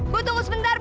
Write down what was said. gue tunggu sebentar bu